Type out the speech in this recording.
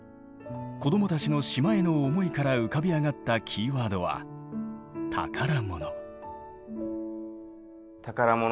子どもたちの島への思いから浮かび上がったキーワードは「宝物」。